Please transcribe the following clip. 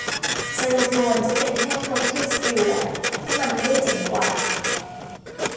ไซโลโฟนจะเป็นแค่กล็อคเคนสปิลแหละ ถ้ามันไม่ได้เจ๋งกว่า